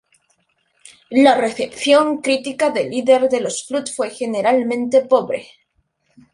La recepción crítica del líder de los Flood fue generalmente pobre.